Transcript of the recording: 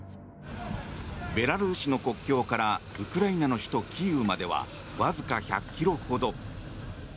ベラルーシの国境からウクライナの首都キーウまではわずか１００ｋｍほど。